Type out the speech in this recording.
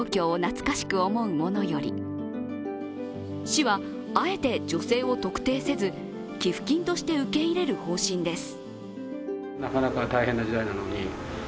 市は、あえて女性を特定せず寄付金として受け入れる方針です。